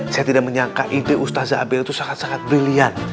saya tidak menyangka ide ustaza abil itu sangat sangat brilian